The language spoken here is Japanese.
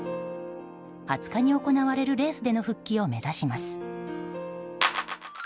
２０日に行われるレースでの復帰を目指します。